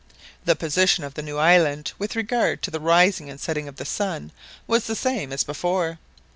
The position of the new island with regard to the rising and setting of the sun was the same as before.